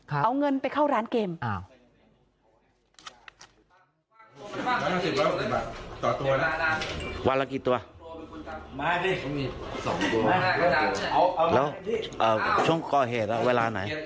เอาเงินไปเข้าร้านเกม